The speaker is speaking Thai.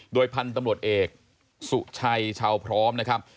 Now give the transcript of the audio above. โดยพันธุ์ตำรวจเอกสุชัยชาวพร้อมนะครับ